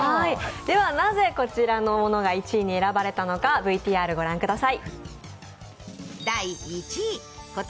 なぜこちらのものが１位に選ばれたのかＶＴＲ御覧ください。